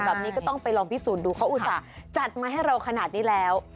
แบบนี้ก็ต้องไปลองพิสูจน์ดูเขาอุตส่าห์จัดมาให้เราขนาดนี้แล้ว